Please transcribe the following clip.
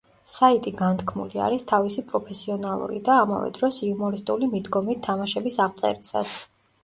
საიტი განთქმული არის თავისი პროფესიონალური და, ამავე დროს იუმორისტული მიდგომით თამაშების აღწერისას.